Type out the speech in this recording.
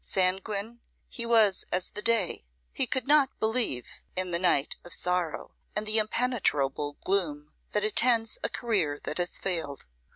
Sanguine he was as the day; he could not believe in the night of sorrow, and the impenetrable gloom that attends a career that has failed.